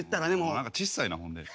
何かちっさいなほんで。